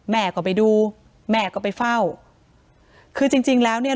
แม่ก็ไปดูแม่ก็ไปเฝ้าคือจริงจริงแล้วเนี่ย